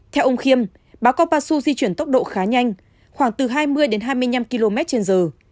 theo ông khiêm bão kopasu di chuyển tốc độ khá nhanh khoảng từ hai mươi đến hai mươi năm km trên giờ